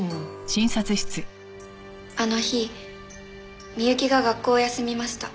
あの日美雪が学校を休みました。